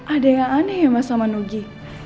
ada yang aneh ya mas sama nugi